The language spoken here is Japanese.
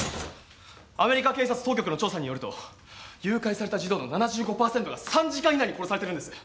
アメリカ警察当局の調査によると誘拐された児童の７５％が３時間以内に殺されてるんです。